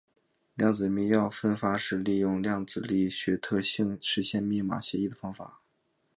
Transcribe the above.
量子密钥分发是利用量子力学特性实现密码协议的方法。